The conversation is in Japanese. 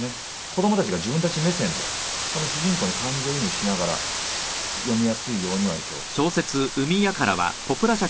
子供たちが自分たち目線でその主人公に感情移入しながら読みやすいようには一応書いたつもりではいるんですけど。